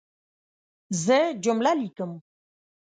زه جمله لیکم.